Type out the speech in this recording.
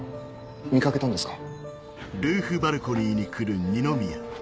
見掛けたんですか？